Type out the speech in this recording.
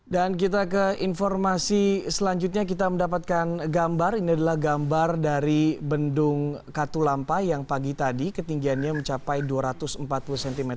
dan kita ke informasi selanjutnya kita mendapatkan gambar ini adalah gambar dari bendung katulampa yang pagi tadi ketinggiannya mencapai dua ratus empat puluh cm